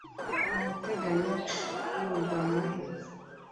urateganya kuguma he